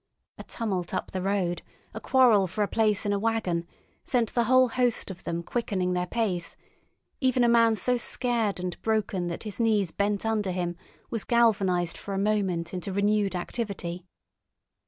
A tumult up the road, a quarrel for a place in a waggon, sent the whole host of them quickening their pace; even a man so scared and broken that his knees bent under him was galvanised for a moment into renewed activity.